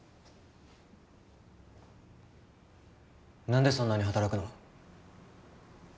何でそんなに働くの？